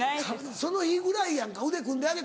その日ぐらいやんか腕組んで。